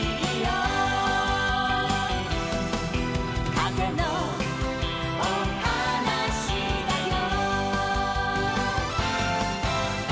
「かぜのおはなしだよ」